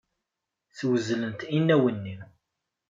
Swezlent inaw-nni.